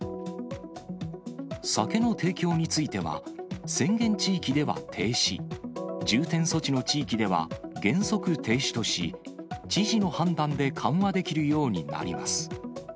酒の提供については、宣言地域では停止、重点措置の地域では原則停止とし、知事の判断で緩和できるようになります。